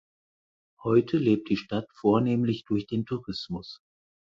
Heute lebt die Stadt vornehmlich durch den Tourismus.